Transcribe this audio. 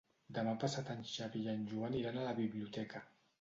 Demà passat en Xavi i en Joan iran a la biblioteca.